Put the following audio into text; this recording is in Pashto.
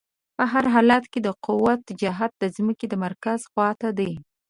په هر حالت کې د قوې جهت د ځمکې د مرکز خواته دی.